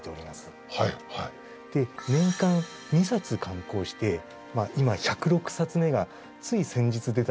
で年間２冊刊行して今１０６冊目がつい先日出たところでした。